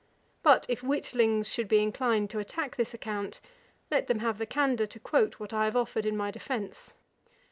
But if witlings should be inclined to attack this account, let them have the candour to quote what I have offered in my defence.